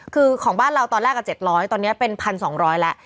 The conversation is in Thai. คือของบ้านเราตอนแรก๗๐๐ตอนนี้เป็น๑๒๐๐แล้ว